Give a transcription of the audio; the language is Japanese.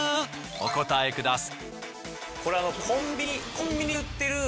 お答えください。